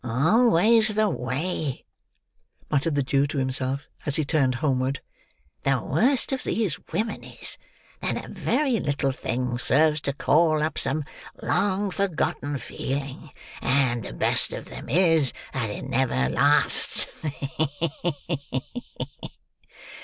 "Always the way!" muttered the Jew to himself as he turned homeward. "The worst of these women is, that a very little thing serves to call up some long forgotten feeling; and, the best of them is, that it never lasts.